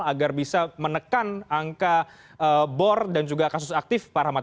agar bisa menekan angka bor dan juga kasus aktif pak rahmat